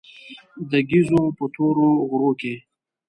د ګېزو په تورو غرو کې.